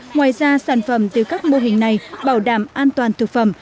ngoài ra sản phẩm từ các mô hình này bảo đảm an toàn thực phẩm